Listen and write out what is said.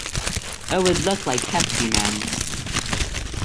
It would look like Pepsi Man!